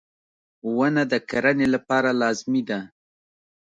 • ونه د کرنې لپاره لازمي ده.